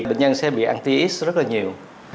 bệnh nhân sẽ bị anti aids rất là nhiều